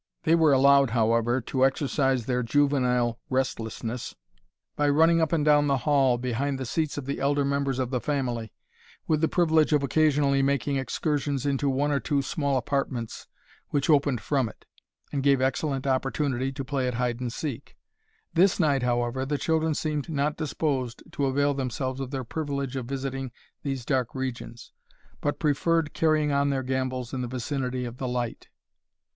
They were allowed, however, to exercise their juvenile restlessness by running up and down the hall, behind the seats of the elder members of the family, with the privilege of occasionally making excursions into one or two small apartments which opened from it, and gave excellent opportunity to play at hide and seek. This night, however, the children seemed not disposed to avail themselves of their privilege of visiting these dark regions, but preferred carrying on their gambols in the vicinity of the light.